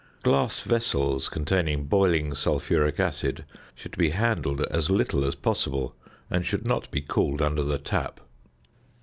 Glass vessels containing boiling sulphuric acid should be handled as little as possible, and should not be cooled under the tap.